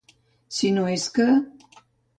Si no és que.